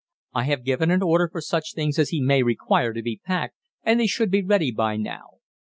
I have given an order for such things as he way require to be packed, and they should be ready by now.